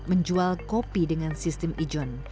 menjual kopi dengan sistem ijon